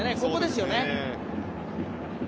ここですよね。